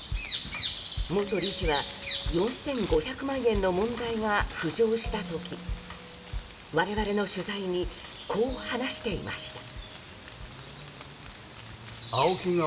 元理事は４５００万円の問題が浮上した時我々の取材にこう話していました。